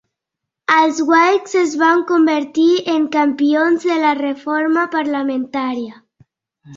Els Whigs es van convertir en campions de la reforma parlamentària.